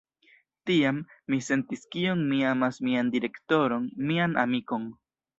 Tiam, mi sentis kiom mi amas mian direktoron, mian amikon.